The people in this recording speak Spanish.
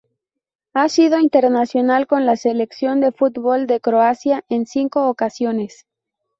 Ha sido internacional con la Selección de fútbol de Croacia en cinco ocasiones.